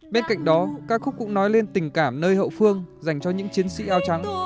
bên cạnh đó ca khúc cũng nói lên tình cảm nơi hậu phương dành cho những chiến sĩ áo trắng